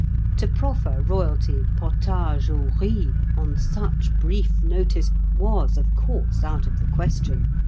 To proffer Royalty potage au riz on such brief notice was of course out of the question.